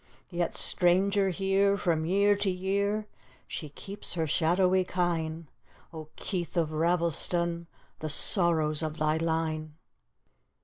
Yet, stranger! here from year to year, She keeps her shadowy kine; Oh, Keith of Ravelston, The sorrows of thy line!